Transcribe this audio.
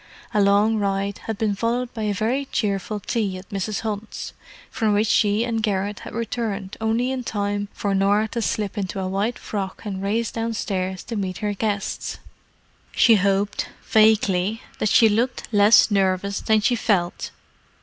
A long ride had been followed by a very cheerful tea at Mrs. Hunt's, from which she and Garrett had returned only in time for Norah to slip into a white frock and race downstairs to meet her guests. She hoped, vaguely, that she looked less nervous than she felt.